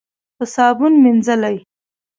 په صابون مینځلې.